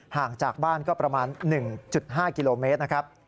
ห่างจากบ้านก็ประมาณ๑๕กิโลเมตรนะครับ